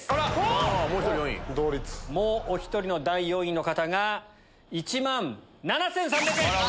もうお１人の第４位の方が１万７３００円。